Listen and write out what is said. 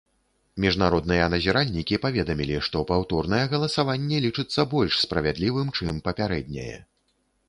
Міжнародныя назіральнікі паведамілі, што паўторнае галасаванне лічыцца больш справядлівым, чым папярэдняе.